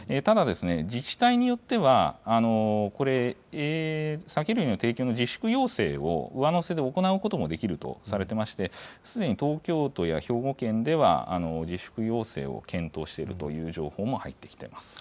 ただ、自治体によっては、これ、酒類の提供の自粛要請を上乗せで行うこともできるとされてまして、すでに東京都や兵庫県では、自粛要請を検討しているという情報も入ってきてます。